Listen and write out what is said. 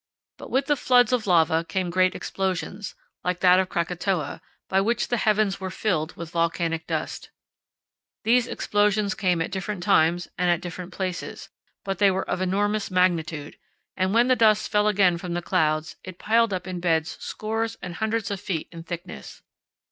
But with the floods of lava came great explosions, like that of Krakatoa, by which the heavens were filled with volcanic dust. These explosions came at different times and at different places, but they were of enormous magnitude, and when the dust fell again from the clouds it piled up in beds scores and hundreds of feet in thickness.